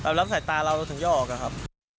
รับสายตาเราเราถึงจะออกอะครับ